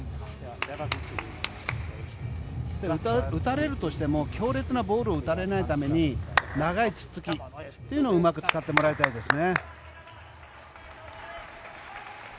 打たれるとしても強烈なボールを打たれないために長いツッツキというのをうまく使ってもらいたいですね。